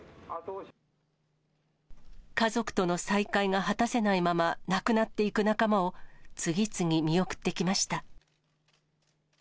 家族との再会が果たせないまま、亡くなっていく仲間を、次々見送ってきました。